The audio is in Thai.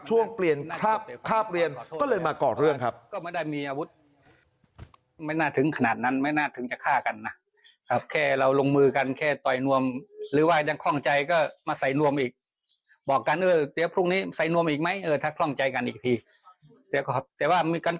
ช่วงเตรียนการค่าเปลี่ยนก็เลยมากอดเรื่องครับ